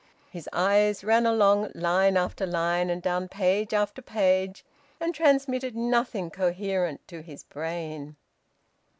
His eyes ran along line after line and down page after page, and transmitted nothing coherent to his brain.